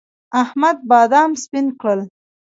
احمد بادام سپين کړل.